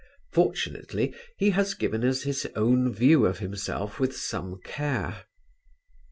Fortunately he has given us his own view of himself with some care.